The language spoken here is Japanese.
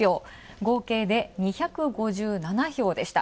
合計で２５７票でした。